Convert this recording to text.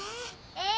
ええ。